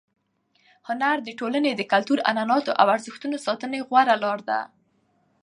هنر د ټولنې د کلتور، عنعناتو او ارزښتونو د ساتنې غوره لار ده.